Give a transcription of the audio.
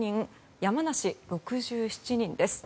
山梨、６７人です。